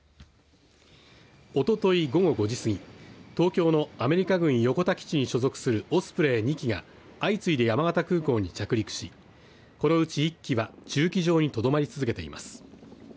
おととい午後５時すぎ東京のアメリカ軍横田基地に所属するオスプレイ２機が相次いで山形空港に着陸しこのうち１機は、駐機場にとどまり続けています。